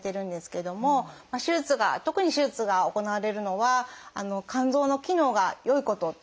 手術が特に手術が行われるのは肝臓の機能が良いことっていう。